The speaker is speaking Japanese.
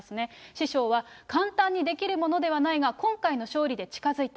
師匠は、簡単にできるものではないが、今回の勝利で近づいた。